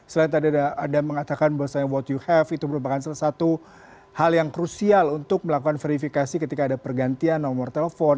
selain tadi ada mengatakan bahwasannya what you have itu merupakan salah satu hal yang krusial untuk melakukan verifikasi ketika ada pergantian nomor telepon